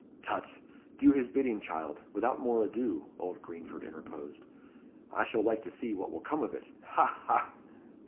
"Tut! do his bidding, child, without more ado," old Greenford interposed. "I shall like to see what will come of it ha! ha!"